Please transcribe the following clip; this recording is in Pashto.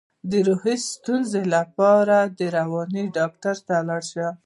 د روحي ستونزو لپاره د رواني ډاکټر ته لاړ شئ